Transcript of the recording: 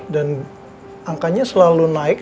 dan angkanya selalu naik